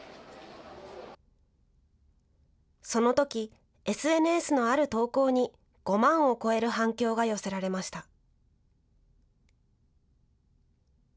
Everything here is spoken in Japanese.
そのときＳＮＳのある投稿に５万を超える反響が寄せられました。